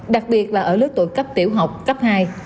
đặc biệt là ở lứa tuổi cấp tiểu học cấp hai